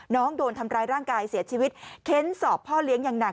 น้องโดนทำร้ายร่างกายเสียชีวิตเค้นสอบพ่อเลี้ยงอย่างหนัก